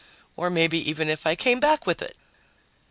Or maybe even if I came back with it!